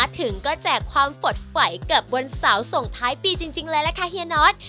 ถึงก็แจกความสดไหวเกือบวันเสาร์ส่งท้ายปีจริงเลยล่ะค่ะเฮียน็อต